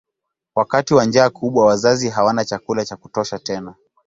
Wakati wa njaa kubwa wazazi hawana chakula cha kutosha tena.